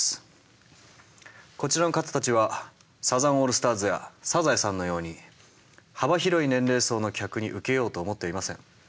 こちらの方たちはサザンオールスターズやサザエさんのように幅広い年齢層の客に受けようと思っていません。